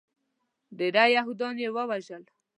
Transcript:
ډیری یهودیان یې ووژل.